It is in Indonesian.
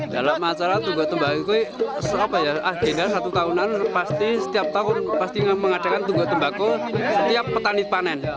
dalam acara tungguk tembakau agenda satu tahunan pasti setiap tahun mengadakan tungguk tembakau setiap petani panen